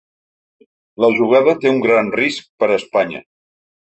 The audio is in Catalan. La jugada té un gran risc pe a Espanya.